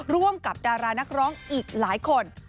ร่วมกับดารานักร้องอีกหลายคน